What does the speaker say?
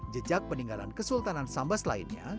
jejak peninggalan kesultanan sambas lainnya